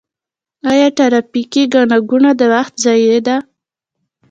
آیا ټرافیکي ګڼه ګوڼه د وخت ضایع ده؟